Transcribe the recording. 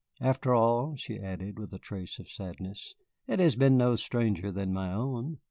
After all," she added with a trace of sadness, "it has been no stranger than my own.